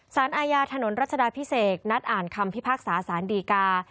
สารอาญาถนนรัชดาพิเศษนัดอ่านคำพิพากษาสารดีกา